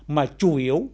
mà chủ yếu